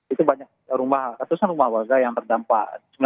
itu banyak rumah ratusan rumah warga yang terdampak